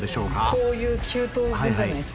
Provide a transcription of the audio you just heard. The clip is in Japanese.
こういう９等分じゃないですか。